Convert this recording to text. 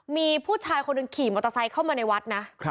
มีผู้ชายคนหนึ่งขี่มอเตอร์ไซค์เข้ามาในวัดนะ